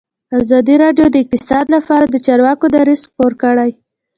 ازادي راډیو د اقتصاد لپاره د چارواکو دریځ خپور کړی.